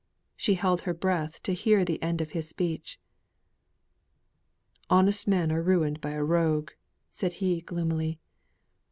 She held her breath to hear the end of his speech. "Honest men are ruined by a rogue," said he gloomily.